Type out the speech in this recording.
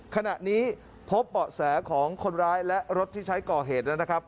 ขณะนี้พบเบาะแสของคนร้ายและรถที่ใช้ก่อเหตุแล้วนะครับ